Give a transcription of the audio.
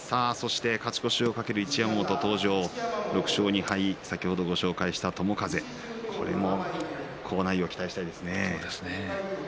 勝ち越しを懸ける一山本登場６勝２敗、先ほど紹介した友風好内容を期待したいですね。